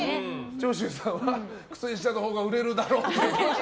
長州さんは靴下のほうが売れるだろうと。